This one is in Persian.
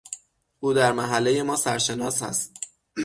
او در محلهی ما سرشناس است.